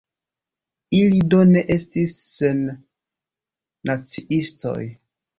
Ili do ne estis sennaciistoj.